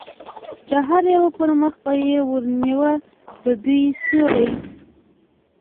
د هر یوه پر مخ به یې ور نیوه، د دوی سیوری.